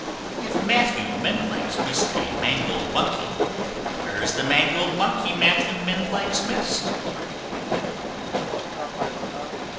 If Matthew Mendlegs miss'd a mangled Monkey, Where's the mangled Monkey Matthew Mendlegs miss'd?